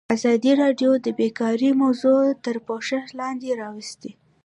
ازادي راډیو د بیکاري موضوع تر پوښښ لاندې راوستې.